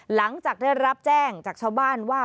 หลังจากได้รับแจ้งจากชาวบ้านว่า